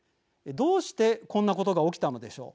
どうして、こんなことが起きたのでしょう。